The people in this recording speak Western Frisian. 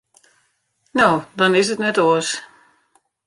No, dan is it net oars.